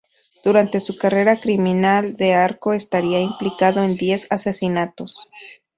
Durante su carrera criminal, D'Arco estaría implicado en diez asesinatos.